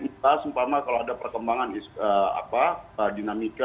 minta seumpama kalau ada perkembangan dinamika